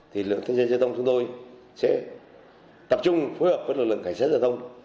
thì lượng các dân giao thông chúng tôi sẽ tập trung phối hợp với lực lượng cảnh sát giao thông